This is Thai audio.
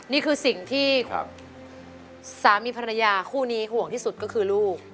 นี่คือสิ่งที่สามีภรรยาคู่นี้ห่วงที่สุดก็คือลูก